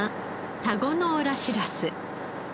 田子の浦しらす。